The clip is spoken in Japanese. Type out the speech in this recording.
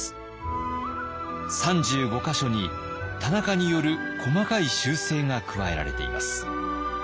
３５か所に田中による細かい修正が加えられています。